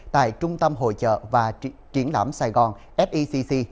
tại trung tâm hội trợ và triển lãm sài gòn secc